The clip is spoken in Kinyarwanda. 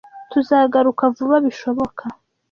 Tuzagaruka vuba bishoboka.